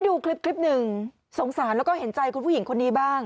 ดูคลิปหนึ่งสงสารแล้วก็เห็นใจคุณผู้หญิงคนนี้บ้าง